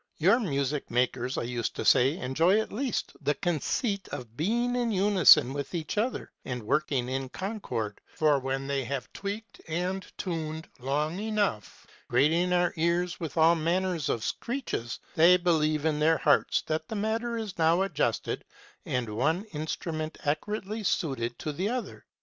Your music makers, I used to say, enjoy at least the conceit of being in unison with each other, and working in concord ; for when they have tweaked and tuned long enough, grating our ears with all manner of screeches, they believe in their hearts that the matter is now adjusted, and one instrument accurately suited to the other.